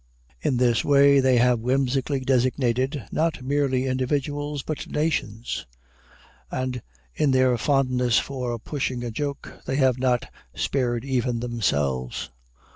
In this way they have whimsically designated, not merely individuals, but nations; and, in their fondness for pushing a joke, they have not spared even themselves.